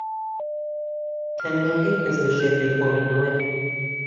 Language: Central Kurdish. تەنیا یەک کەس لەژێر لێکۆڵینەوەیە.